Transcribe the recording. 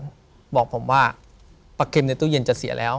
ผมบอกผมว่าปลาเค็มในตู้เย็นจะเสียแล้ว